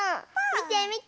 みてみて。